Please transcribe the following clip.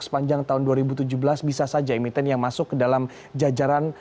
sepanjang tahun dua ribu tujuh belas bisa saja emiten yang masuk ke dalam jajaran